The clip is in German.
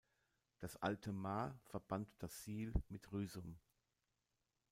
Das Alte Maar verband das Siel mit Rysum.